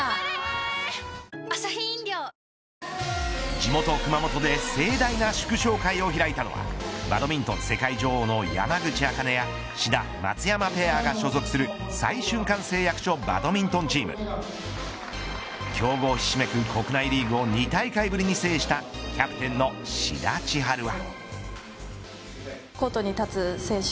地元熊本で盛大な祝勝会を開いたのはバドミントン世界女王の山口茜志田、松山ペアが所属する再春館製薬所バドミントンチーム強豪ひしめく国内リーグを２大会ぶりに制したキャプテンの志田千陽は。